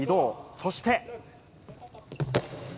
そして。